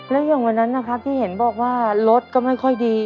แล้วอย่างวันนั้นนะครับที่เห็นบอกว่ารถก็ไม่ค่อยดี